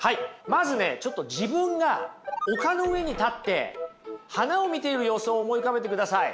まずねちょっと自分が丘の上に立って花を見ている様子を思い浮かべてください。